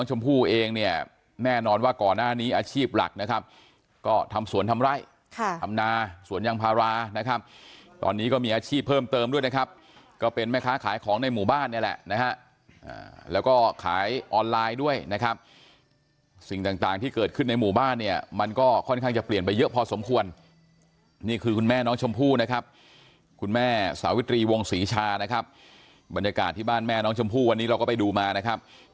ชมพู่เองเนี่ยแม่นอนว่าก่อนหน้านี้อาชีพหลักนะครับก็ทำสวนทำไร้ทำนาสวนยังพารานะครับตอนนี้ก็มีอาชีพเพิ่มเติมด้วยนะครับก็เป็นแม่ค้าขายของในหมู่บ้านนี่แหละนะฮะแล้วก็ขายออนไลน์ด้วยนะครับสิ่งต่างที่เกิดขึ้นในหมู่บ้านเนี่ยมันก็ค่อนข้างจะเปลี่ยนไปเยอะพอสมควรนี่คือคุณแม่น้องชมพู่นะครับค